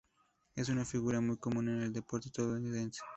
Es una figura muy común en el deporte estadounidense.